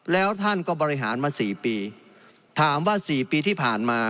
แล้วท่านก็บริหารมาสี่ปีถามว่าสี่ปีที่ผ่านมา